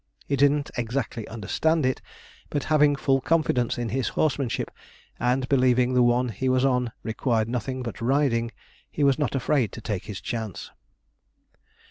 He didn't exactly understand it, but having full confidence in his horsemanship, and believing the one he was on required nothing but riding, he was not afraid to take his chance.